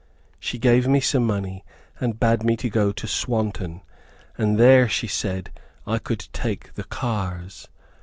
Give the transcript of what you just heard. She gave me some money, and bade me go to Swanton, and there, she said, I could take the cars.